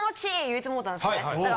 言うてもうたんですね。